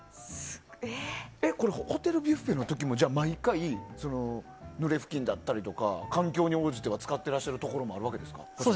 ホテルビュッフェの時も毎回濡れふきんだったりとか環境に応じて使っていらっしゃるところもあるわけですか？